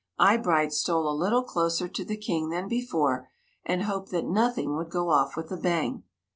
Eyebright stole a little closer to the King than before and hoped that nothing would go off with a bang.